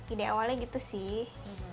ide awalnya gitu sih